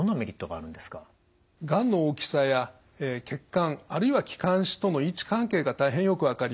がんの大きさや血管あるいは気管支との位置関係が大変よく分かります。